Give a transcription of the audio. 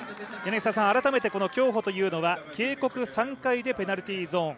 改めて競歩というのは警告３回でペナルティーゾーン。